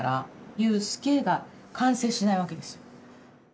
ゆうすけが完成しないわけです。